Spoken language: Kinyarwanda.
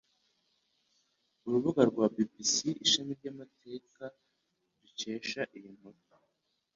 Urubuga rwa BBC Ishami ry'Amateka dukesha iyi nkuru